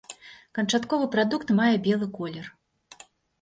Канчатковы прадукт мае белы колер.